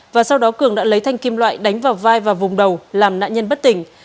và sau đó cường đã lấy thanh kim loại đánh vào vai và vùng đầu làm nạn nhân bất tỉnh